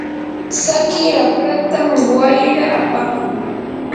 tsaki rapratam wayra apakun.